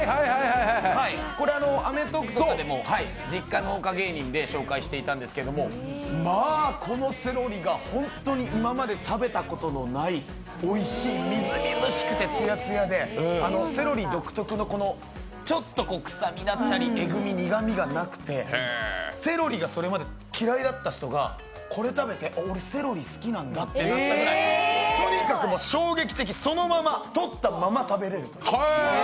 これは「アメトーーク！」とかでも実家農家芸人で紹介してたんですけどまあ、このセロリが本当に今まで食べたことのないおいしい、みずみずしくて、ツヤツヤであのセロリ独特のちょっと臭みだったりえぐみ、苦みがなくてセロリがそれまで嫌いだった人が、これ食べて俺セロリ好きなんだってなったくらい、とにかく衝撃的、そのまま取ったまま食べれるという。